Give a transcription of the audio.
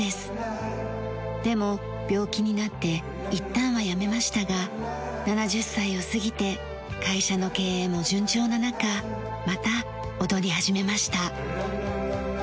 でも病気になっていったんはやめましたが７０歳を過ぎて会社の経営も順調な中また踊り始めました。